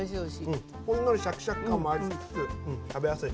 ほんのりシャキシャキ感もありつつ食べやすい。